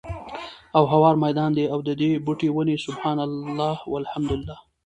او هوار ميدان دی، او ددي بوټي وني سُبْحَانَ اللهِ، وَالْحَمْدُ للهِ